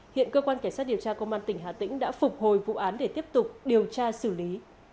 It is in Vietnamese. hiện cơ quan cảnh sát điều tra công an tỉnh hà tĩnh đã phục hồi vụ án để tiếp tục điều tra xử lý